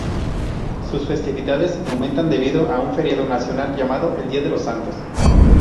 Sus festividades aumentan debido a un feriado nacional llamado "el día de los santos".